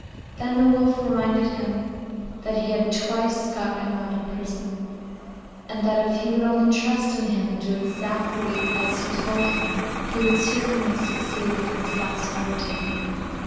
Then the wolf reminded him that he had twice got him out of prison, and that if he would only trust in him, and do exactly as he told him, he would certainly succeed in this last undertaking.